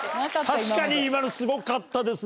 確かに今のすごかったですね。